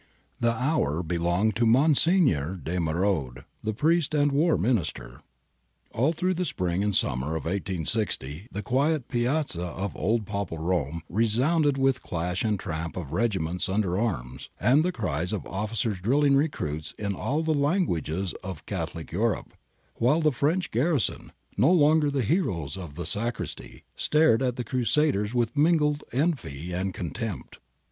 The hour belonged to Monsignor de M^rode, priest and War Minister. All through the spring and summer of i860 the quiet piazze of old Papal Rome resounded with the clash and tramp of regiments under arms, and the cries of officers drilling recruits in all the languages of Catholic Europe, while the French garrison, no longer the heroes of the sacristy, stared at the ' crusaders ' with mingled envy and contempt.